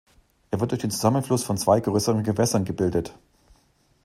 Er wird durch den Zusammenfluss von zwei größeren Gewässern gebildet.